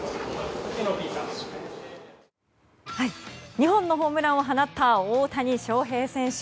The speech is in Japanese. ２本のホームランを放った大谷翔平選手。